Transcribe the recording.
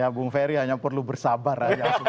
ya bu ferry hanya perlu bersabar